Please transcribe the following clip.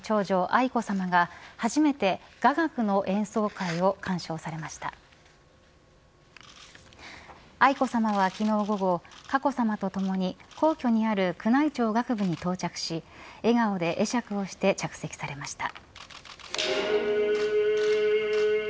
愛子さまは昨日、午後佳子さまとともに皇居にある宮内庁楽部に到着し笑顔で会釈をして着席されました。